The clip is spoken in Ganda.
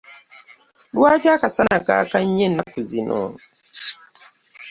Lwaki akasana kaaka nnyo ennaku zino?